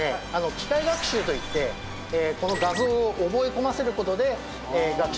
機械学習といってこの画像を覚え込ませる事で学習させてます。